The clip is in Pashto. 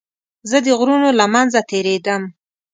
زه د غرونو له منځه تېرېدم.